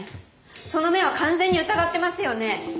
その目は完全に疑ってますよね？